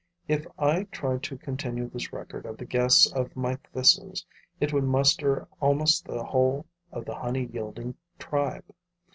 If I tried to continue this record of the guests of my thistles, it would muster almost the whole of the honey yielding tribe.